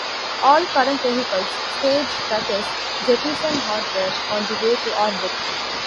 All current vehicles "stage", that is, jettison hardware on the way to orbit.